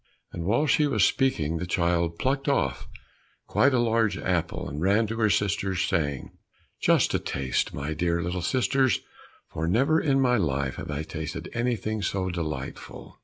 And while she was speaking, the child plucked off quite a large apple, and ran to her sisters, saying, "Just taste, my dear little sisters, for never in my life have I tasted anything so delightful."